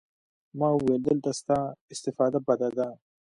ما وويل دلته ستا استفاده بده ده.